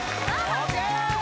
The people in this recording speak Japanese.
ＯＫ